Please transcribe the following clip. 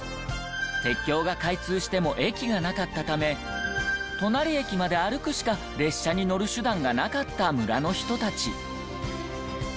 鉄橋が開通しても駅がなかったため隣駅まで歩くしか列車に乗る手段がなかった村の人たち。